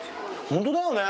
本当だよね。